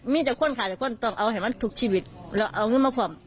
มีจั้าคนต้องเอาให้มันถูกชีวิตและเอามันมาพร้อม